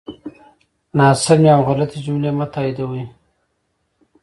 ناسمی او غلطی جملی مه تاییدوی